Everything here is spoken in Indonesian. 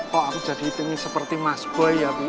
kok aku jadi hitungi seperti mas boy ya bi